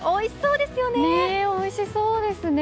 おいしそうですね。